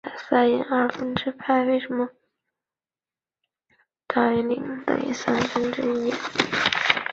阿加汗三世。